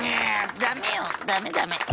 「ダメよダメダメ」。